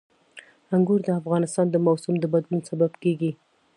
انګور د افغانستان د موسم د بدلون سبب کېږي.